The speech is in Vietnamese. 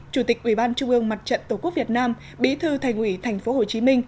chủ tịch ủy ban trung ương mặt trận tổ quốc việt nam bí thư thành ủy thành phố hồ chí